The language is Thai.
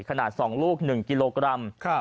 ขนาด๒ลูก๑กิโลกรัม